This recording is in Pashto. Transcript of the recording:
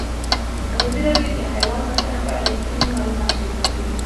ازادي راډیو د حیوان ساتنه په اړه رښتیني معلومات شریک کړي.